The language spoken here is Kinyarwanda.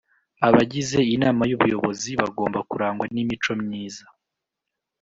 Abagize Inama y’ ubuyobozi bagomba kurangwa n’imico myiza